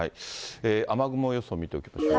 雨雲予想見ておきましょう。